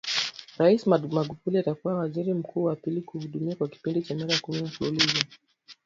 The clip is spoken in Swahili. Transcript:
rais Magufuli atakuwa Waziri Mkuu wa pili kuhudumu kwa kipindi cha miaka kumi mfululizo